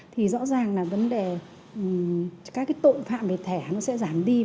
thì rõ ràng là vấn đề các cái tội phạm về thẻ nó sẽ giảm đi